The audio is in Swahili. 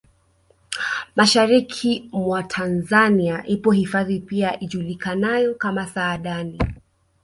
Mashariki mwa Tanzania ipo hifadhi pia ijulikanayo kama Saadani